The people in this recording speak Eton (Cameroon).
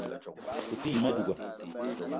O te yi ma douga